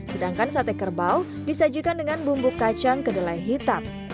sedangkan sate kerbau disajikan dengan bumbu kacang kedelai hitam